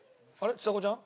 ちさ子ちゃんだ。